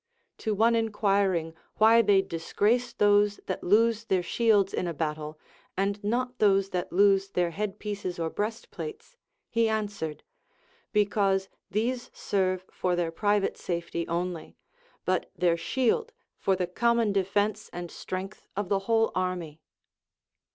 To one enquiring why they disgrace those that lose their shields in a battle and not those that lose their head pieces or breastplates, he answered, Because these serve for their private safety only, but their shield for the common de fence and strength of the Λνΐιοΐβ army.